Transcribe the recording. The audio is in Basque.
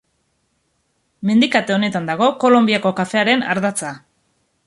Mendikate honetan dago Kolonbiako kafearen ardatza.